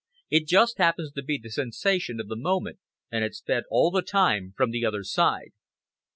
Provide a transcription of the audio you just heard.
It just happens to be the sensation, of the moment, and it's fed all the time from the other side."